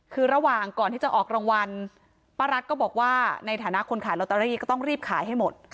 คือระหว่างก่อนที่จะออกรางวัลป้ารัฐก็บอกว่าในฐานะคนขายลอตเตอรี่ก็ต้องรีบขายให้หมด